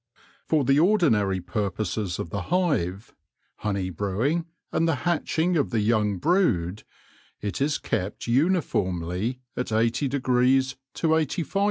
For the ordinary purposes of the hive — honey brewing, and the hatching of the young brood — it is kept uniformly at 8o° to 85 .